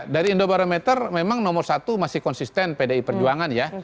dari indobarometer memang nomor satu masih konsisten pdi perjuangan ya